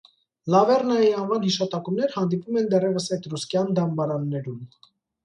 Լավեռնայի անվան հիշատակումներ հանդիպում են դեռևս էտրուսկյան դամբարաններում։